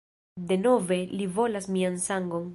Denove, li volas mian sangon!